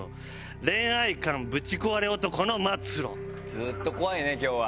ずっと怖いね今日は。